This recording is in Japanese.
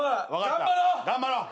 頑張ろう！